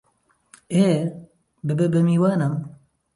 ئێ، ببە بە میوانم!